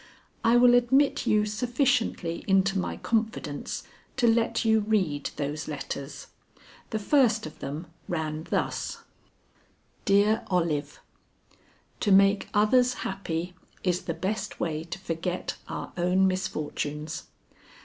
I will admit you sufficiently into my confidence to let you read those letters. The first of them ran thus: "DEAR OLIVE: "To make others happy is the best way to forget our own misfortunes.